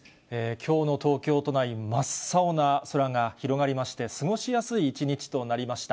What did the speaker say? きょうの東京都内、真っ青な空が広がりまして、過ごしやすい一日となりました。